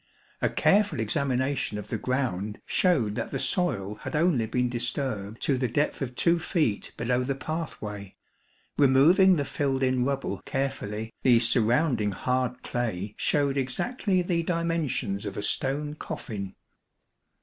A careful examination of the ground showed that the soil had only been disturbed to the depth of 2 feet below the pathway. Removing the filled in rubble carefully, the surrounding hard clay showed exactly the dimensions of a stone coffin.